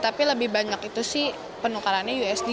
tapi lebih banyak itu sih penukarannya usd